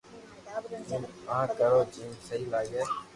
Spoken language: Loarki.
ايم ا ڪرو جيم سھي لاگي